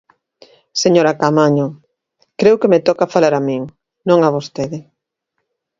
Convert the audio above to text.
Señora Caamaño, creo que me toca falar a min, non a vostede.